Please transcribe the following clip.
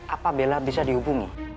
apa bella bisa dihubungi